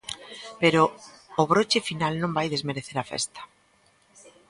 Pero o broche final non vai desmerecer a festa.